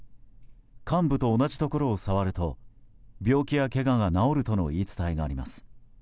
患部と同じところを触ると病気やけがが治るとの言い伝えがあります。